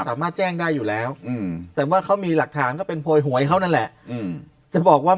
สามารถแจ้งได้อยู่แล้วแต่ว่าเขามีหลักฐานก็เป็นโพยหวยเขานั่นแหละจะบอกว่า